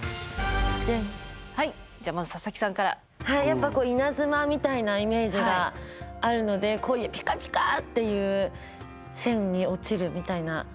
やっぱこう稲妻みたいなイメージがあるのでこういうピカピカっていう線に落ちるみたいな。